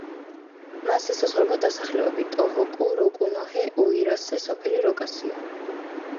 მას ესაზღვრება დასახლებები ტოჰოკუ, როკუნოჰე, ოირასე, სოფელი როკასიო.